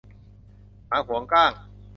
หมาหวงก้าง